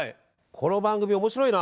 この番組面白いな！